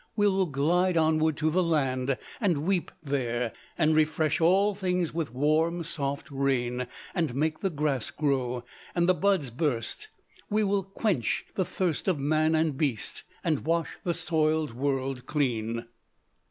We will glide onward to the land and weep there, and refresh all things with warm, soft rain, and make the grass grow, and the buds burst; we will quench the thirst of man and beast, and wash the soiled world clean.